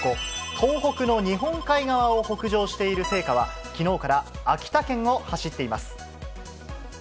東北の日本海側を北上している聖火は、きのうから秋田県を走っています。